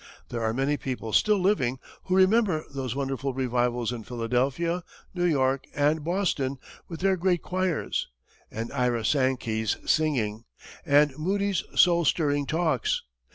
There are many people still living who remember those wonderful revivals in Philadelphia, New York, and Boston, with their great choirs, and Ira Sankey's singing, and Moody's soul stirring talks.